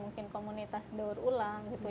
mungkin komunitas daur ulang gitu